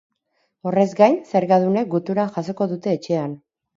Horrez gain, zergadunek gutuna jasoko dute etxean.